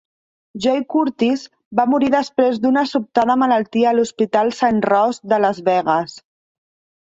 Joey Curtis va morir després d'una sobtada malaltia a l'Hospital Saint Rose de Las Vegas.